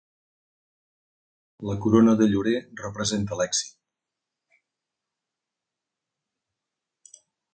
La corona de llorer representa l'èxit.